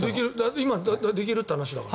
今、できるって話だから。